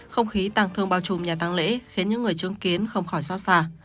không khí tăng thương bao trùm nhà tăng lễ khiến những người chứng kiến không khỏi xót xa